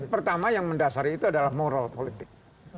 pertama yang mendasari itu adalah moral politik